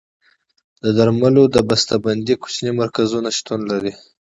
د درملو د بسته بندۍ کوچني مرکزونه شتون لري.